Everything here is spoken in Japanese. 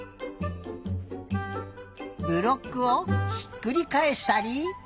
ブロックをひっくりかえしたり。